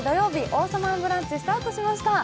「王様のブランチ」スタートしました。